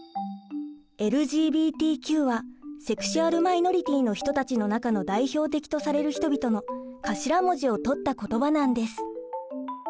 ＬＧＢＴＱはセクシュアル・マイノリティーの人たちの中の代表的とされる人々の頭文字をとった言葉なんです。